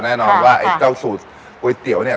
แน่นอนว่าไอ้เจ้าสูตรก๋วยเตี๋ยวเนี่ย